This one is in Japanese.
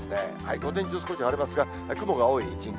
午前中、少し晴れますが、雲が多い一日。